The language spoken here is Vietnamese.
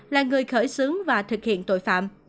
là người khởi xướng và thực hiện tội phạm